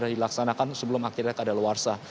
yang dilaksanakan sebelum akhirnya keadaan luar sah